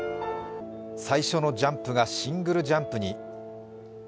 最初のジャンプがシングルジャンプに。